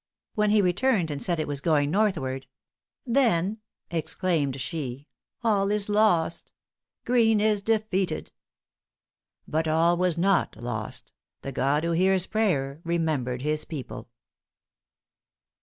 When he returned and said it was going northward, "Then," exclaimed she, "all is lost! Greene is defeated." But all was not lost; the God who hears prayer remembered his people.